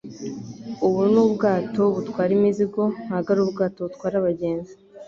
Ubu ni ubwato butwara imizigo, ntabwo ari ubwato butwara abagenzi.